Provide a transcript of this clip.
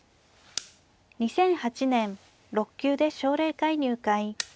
２００８年６級で奨励会入会。